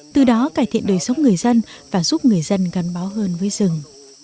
từ đó cải thiện đời sống người dân và giúp người dân gắn bó hơn với rừng